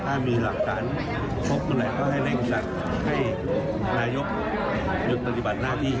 ถ้ามีหลักฐานพบตัวเนี่ยก็ให้แรงสัตว์ให้นายกยุทธ์หยุดปฏิบัติหน้าที่